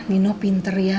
nino pinter ya